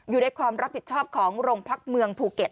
อยู่ในความรับผิดชอบของโรงพักเมืองภูเก็ต